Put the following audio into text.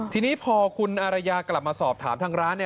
ทีนี้พอคุณอารยากลับมาสอบถามทางร้าน